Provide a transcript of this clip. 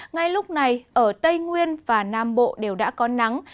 ngay lúc này ở tây nguyên và nam bộ đều đã có nắng